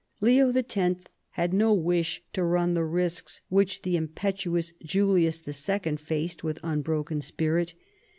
Leo X. had no wish to run the risks which the impetuous Julius II. faced with unbroken spirit.